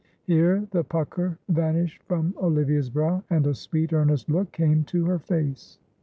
Here the pucker vanished from Olivia's brow, and a sweet, earnest look came to her face.